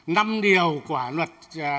năm điều của luật